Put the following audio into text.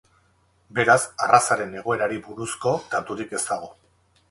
Beraz arrazaren egoerari buruzko daturik ez dago.